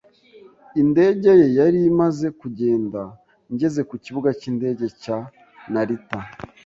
Indege ye yari imaze kugenda ngeze ku kibuga cy'indege cya Narita.